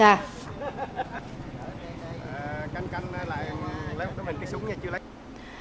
căn canh lại lấy một cái súng nha chưa lấy